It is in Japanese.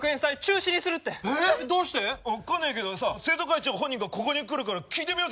分かんないけどさ生徒会長本人がここに来るから聞いてみようぜ！